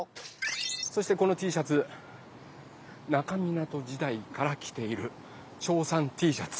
そしてこのＴシャツ那珂湊時代からきているチョーさんＴシャツ。